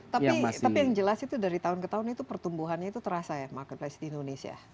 tapi yang jelas itu dari tahun ke tahun itu pertumbuhannya itu terasa ya marketplace di indonesia